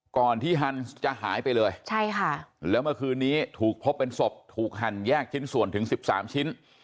ก่อนที่ฮันส์จะหายไปเลยใช่ค่ะแล้วเมื่อคืนนี้ถูกพบเป็นศพถูกหั่นแยกชิ้นส่วนถึง๑๓ชิ้น